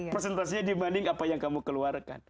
presentasinya dibanding apa yang kamu keluarkan